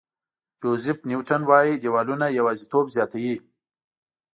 جوزیف نیوټن وایي دیوالونه یوازېتوب زیاتوي.